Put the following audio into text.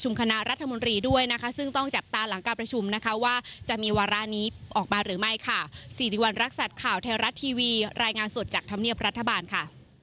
หรือไม่ค่ะสีดีวันรักษัตริย์ข่าวแท้รัฐทีวีรายงานสดจากธรรมเนียบรัฐบาลค่ะ